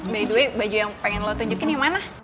by the way baju yang pengen lo tunjukin yang mana